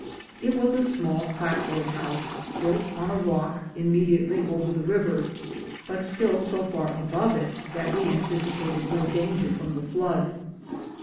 It was a small clapboard house, built on a rock immediately over the river, but still so far above it that we anticipated no danger from the flood.